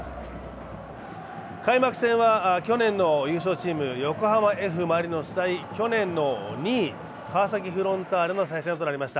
開幕戦は去年の優勝チームの横浜Ｆ・マリノス対去年の２位、川崎フロンターレの対戦が行われました。